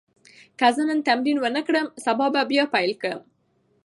که زه نن تمرین ونه کړم، سبا به بیا پیل کړم.